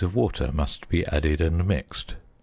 of water must be added and mixed.